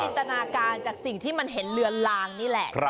แล้วก็จะจินตนาการจากสิ่งที่มันเห็นเรือนลางนี่แหละ